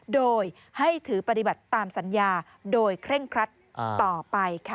โดยให้ถือปฏิบัติตามสัญญาโดยเคร่งครัดต่อไปค่ะ